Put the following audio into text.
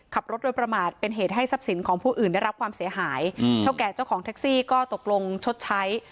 ขับรถโดยประมาทเป็นเหตุให้ทรัพย์สินของผู้อื่นได้รับความเสียหายเท่าแก่เจ้าของแท็กซี่ก็ตกลงชดใช้